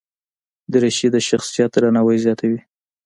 دریشي د شخصیت درناوی زیاتوي.